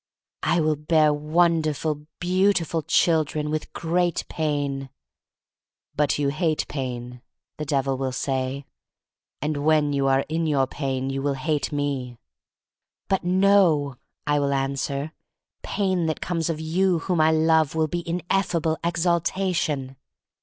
"I will bear wonderful, beautiful chil dren — with great pain." "But you hate pain," the Devil will say, "and when you are in your pain you will hate me." "But no," I will answer, "pain that comes of you whom I love will be in effable exaltation."